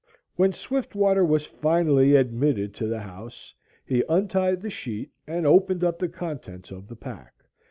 When Swiftwater was finally admitted to the house, he untied the sheet and opened up the contents of the pack.